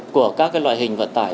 của các loại hình vật tải